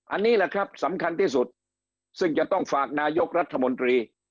อันนี้แหละครับสำคัญที่สุดซึ่งจะต้องฝากนายกรัฐมนตรี